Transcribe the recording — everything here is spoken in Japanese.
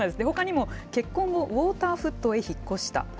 ほかにも結婚後、ウォーターフットへ引っ越した。